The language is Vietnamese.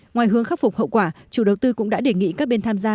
ngoài hướng khắc phục hậu quả chủ đầu tư cũng đã đề nghị các bên tham gia